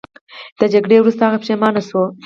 د جګړې وروسته هغه پښیمانه شو.